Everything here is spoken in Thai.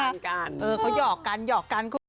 เออเขาหยอกกันหยอกกัน